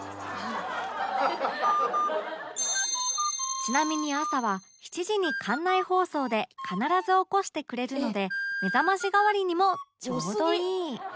ちなみに朝は７時に館内放送で必ず起こしてくれるので目覚まし代わりにもちょうどいい